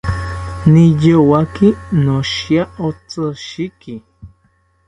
Niyowaki noshiya otishiki